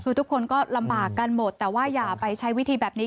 คือทุกคนก็ลำบากกันหมดแต่ว่าอย่าไปใช้วิธีแบบนี้